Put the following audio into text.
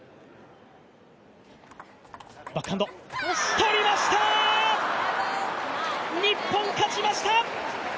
取りました、日本勝ちました！